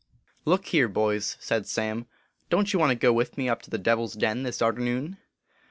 OOK here, boys," said Sam, "don t you want to go with me up to the Devil s Den this arternoon